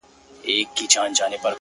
که په ژړا کي مصلحت وو؛ خندا څه ډول وه؛